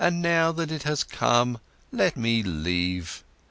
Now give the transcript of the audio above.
Now that it has come, let me leave.